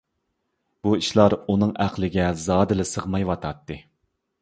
بۇ ئىشلار ئۇنىڭ ئەقلىگە زادىلا سىغمايۋاتاتتى.